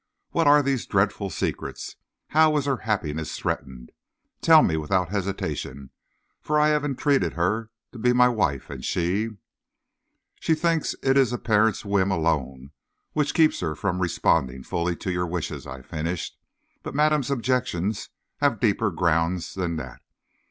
What are these dreadful secrets? How is her happiness threatened? Tell me without hesitation, for I have entreated her to be my wife, and she " "She thinks it is a parent's whim, alone, which keeps her from responding fully to your wishes," I finished. "But madame's objections have deeper ground than that.